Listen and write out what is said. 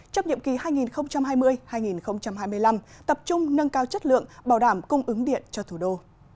trong nhiệm kỳ hai nghìn hai mươi hai nghìn hai mươi năm tập trung nâng cao chất lượng bảo đảm cung ứng điện cho thủ đô